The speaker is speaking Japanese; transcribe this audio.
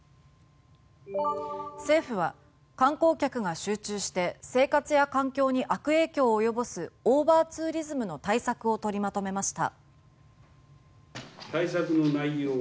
政府は、観光客が集中して生活や環境に悪影響を及ぼすオーバーツーリズムの対策を取りまとめました。